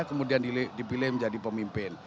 kemudian dipilih menjadi pemimpin